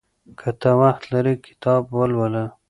که ته وخت لرې کتاب ولوله.